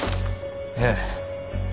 ええ。